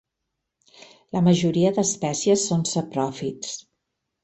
La majoria d'espècies són sapròfits.